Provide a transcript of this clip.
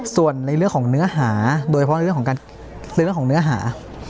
ส่วนในเรื่องของเนื้อหาโดยเฉพาะในเรื่องของเนื้อหา